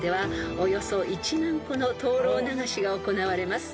およそ１万個の燈籠流しが行われます］